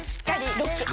ロック！